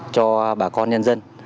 cho bà con nhân dân